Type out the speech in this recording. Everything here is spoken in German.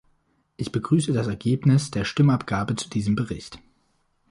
Ich begrüße das Ergebnis der Stimmabgabe zu diesem Bericht.